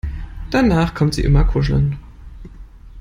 Danach kommt sie immer kuscheln.